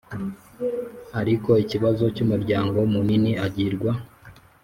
ari ikibazo cy umuryango munini agirwa